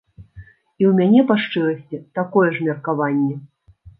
І ў мяне, па шчырасці, такое ж меркаванне.